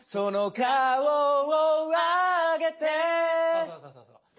そうそうそうそうそう。